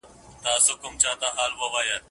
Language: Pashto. زړه ته را تیري زما درنې خورکۍ